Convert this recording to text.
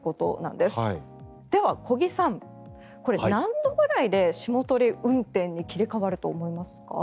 では、小木さん何度ぐらいで霜取り運転に切り替わると思いますか？